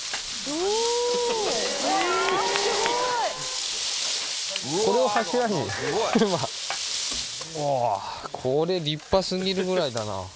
おおっこれ立派すぎるぐらいだな。